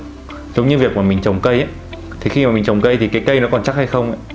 giống như việc mà mình trồng cây ấy thì khi mà mình trồng cây thì cái cây nó còn chắc hay không